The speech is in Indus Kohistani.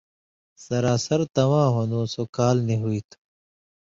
سراسر تَواں ہُون٘دُوں سو کال نی ہو تُھو